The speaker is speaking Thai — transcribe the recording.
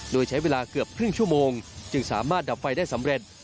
โดยใช้เวลาเกือบครึ่งชั่วโมงจึงสามารถดับไฟได้สำเร็จ